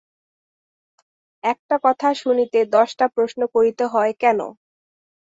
একটা কথা শুনিতে দশটা প্রশ্ন করিতে হয় কেন?